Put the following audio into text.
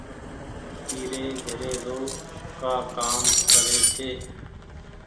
ٻيري گهري رو ڪآ ڪآم ڪري ڇي۔